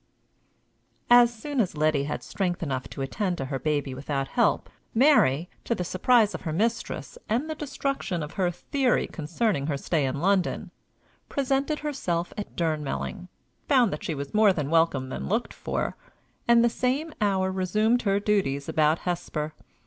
As soon as Letty had strength enough to attend to her baby without help, Mary, to the surprise of her mistress, and the destruction of her theory concerning her stay in London, presented herself at Durnmelling, found that she was more welcome than looked for, and the same hour resumed her duties about Hesper.